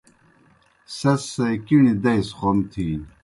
سیْس سے کِݨیْ دئی سہ خون تِھینیْ۔